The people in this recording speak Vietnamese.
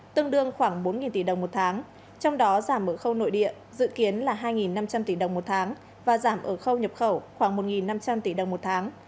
tương đương khoảng bốn tỷ đồng một tháng trong đó giảm ở khâu nội địa dự kiến là hai năm trăm linh tỷ đồng một tháng và giảm ở khâu nhập khẩu khoảng một năm trăm linh tỷ đồng một tháng